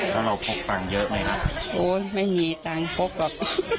แล้วเราพกตังค์เยอะไหมครับโอ้ยไม่มีตังค์พบกับ